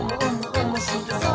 おもしろそう！」